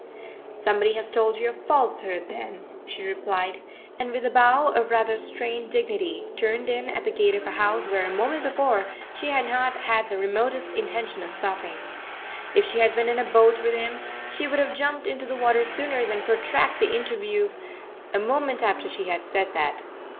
"Somebody has told you a falsehood, then," she replied, and, with a bow of rather strained dignity turned in at the gate of a house where a moment before she had not had the remotest intention of stopping. If she had been in a boat with him, she would have jumped into the water sooner than protract the inter view a moment after she had said that.